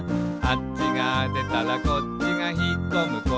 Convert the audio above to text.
「あっちがでたらこっちがひっこむ」